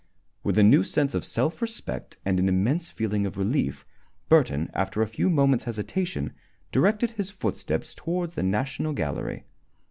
With a new sense of self respect and an immense feeling of relief, Burton, after a few moments' hesitation, directed his footsteps towards the National Gallery.